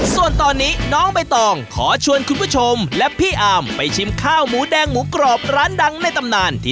ส่วนตอนนี้น้องใบตองขอชวนคุณผู้ชมและพี่อาร์ม